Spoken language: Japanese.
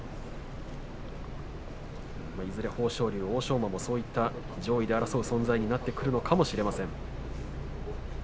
いずれ豊昇龍、欧勝馬もそうですが上位で争う存在になってくるのかもしれません。